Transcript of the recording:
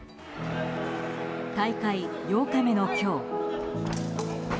大会８日目の今日。